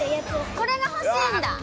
これが欲しいんだ？